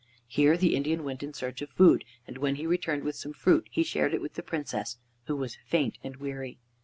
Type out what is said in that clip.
Here the Indian went in search of food, and when he returned with some fruit he shared it with the Princess, who was faint and weary.